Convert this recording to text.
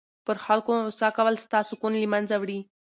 پر خلکو غصه کول ستا سکون له منځه وړي.